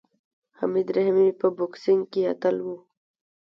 حمید رحیمي په بوکسینګ کې اتل و.